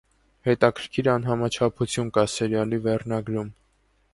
Հտեաքրքիր անհամաչափություն կա սերիալի վերնագրում։